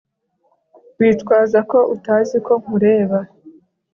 witwaza ko utazi ko nkureba